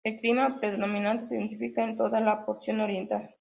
Es clima predominante, se identifican en toda la porción oriental.